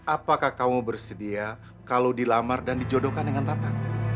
apakah kamu bersedia kalau dilamar dan dijodohkan dengan tata